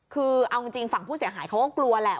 คือเอาจริงฝั่งผู้เสียหายเขาก็กลัวแหละ